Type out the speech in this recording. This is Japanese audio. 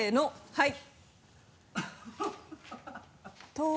はい。